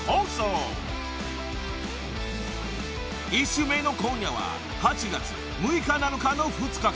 ［１週目の今夜は８月６日７日の２日間］